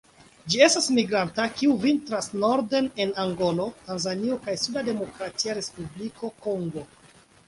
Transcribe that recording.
Ĝi estas migranta kiu vintras norden en Angolo, Tanzanio kaj suda Demokratia Respubliko Kongo.